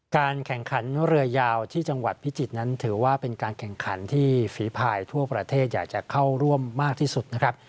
การแข่งขันเรือยาวที่จังหวัดพิจิตรนั้นถือว่าเป็นการแข่งขันที่ฝีภายทั่วประเทศอยากจะเข้าร่วมมากที่สุดนะครับ